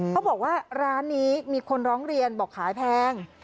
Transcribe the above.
เขาบอกว่าร้านนี้มีคนร้องเรียนบอกขายแพง